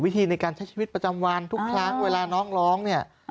ในการใช้ชีวิตประจำวันทุกครั้งเวลาน้องร้องเนี่ย